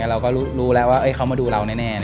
เราก็รู้แล้วว่าเขามาดูเราแน่